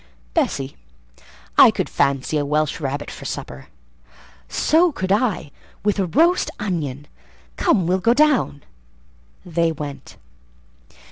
—Bessie, I could fancy a Welsh rabbit for supper." "So could I—with a roast onion. Come, we'll go down." They went.